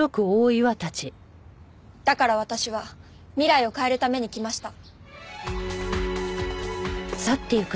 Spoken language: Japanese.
だから私は未来を変えるために来ました。